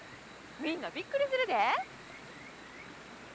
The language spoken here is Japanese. みんなびっくりするで。